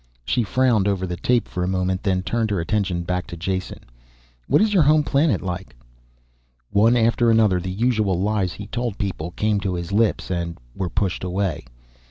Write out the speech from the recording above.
She frowned over the tape for a moment, then turned her attention back to Jason. "What is your home planet like?" One after another the usual lies he told people came to his lips, and were pushed away.